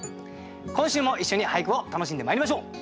今週も一緒に俳句を楽しんでまいりましょう。